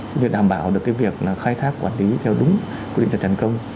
điều đảm bảo được cái việc khai thác quản lý theo đúng quy định là thành công